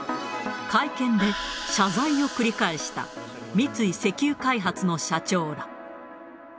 会見で謝罪を繰り返した三井石油開発の社長だ。